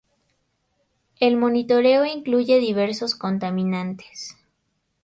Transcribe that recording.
El monitoreo incluye diversos contaminantes.